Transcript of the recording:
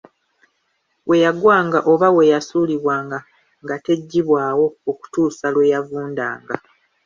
We yagwanga oba we yasuulibwanga nga teggibwawo okutuusa lwe yavundanga.